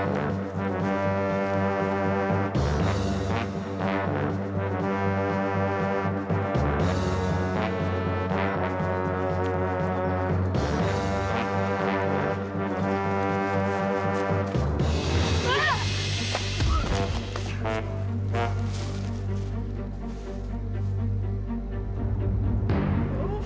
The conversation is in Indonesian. mau cari selamat dulu